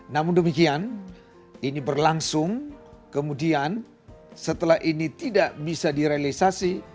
namun demikian ini berlangsung kemudian setelah ini tidak bisa direalisasi